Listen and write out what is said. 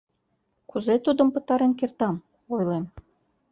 — Кузе тудым пытарен кертам? — ойлем.